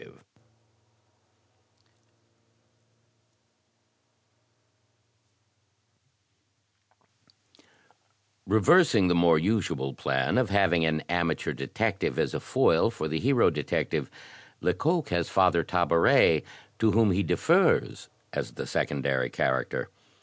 Reversing the more usual plan of having an amateur detective as a foil for the hero detective, Lecoq has Father, Tabaret to whom he defers, as the secondary character.